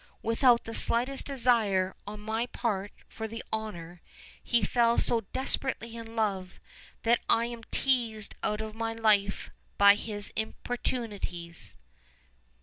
without the slightest desire on my part for the honor, he fell so desperately in love that I am teased out of my life by his importunities."